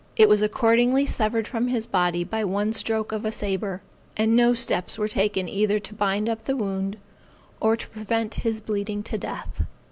It was accordingly severed from his body by one stroke of a sabre, and no steps were taken either to bind up the wound, or to prevent his bleeding to death.